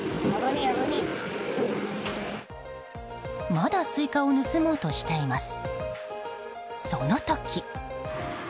まだスイカを盗もうとしています。